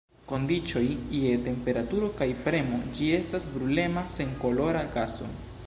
Sub normalaj kondiĉoj je temperaturo kaj premo ĝi estas brulema senkolora gaso.